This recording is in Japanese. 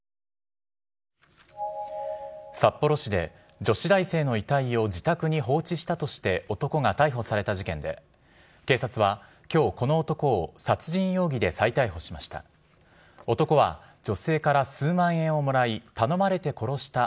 札幌市で女子大生の遺体を自宅に放置したとして男が逮捕された事件で、警察はきょうこの男を殺人容疑で再逮捕しました。